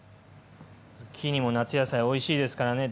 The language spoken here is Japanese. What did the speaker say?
ズッキーニも夏野菜おいしいですからね。